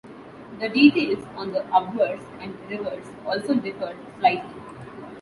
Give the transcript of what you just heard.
The details on the obverse and reverse also differ slightly.